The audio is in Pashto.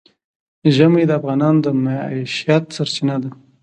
ژمی د افغانانو د معیشت سرچینه ده.